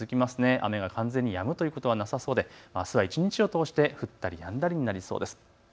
雨が完全にやむということはなさそうであすは一日を通して降ったりやんだりになりそうです。